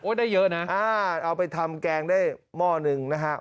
โอ๊ยได้เยอะนะครับอ้าวเอาไปทำแกงได้หม้อนึงนะครับ